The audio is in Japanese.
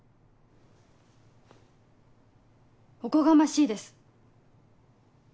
おこがましいです。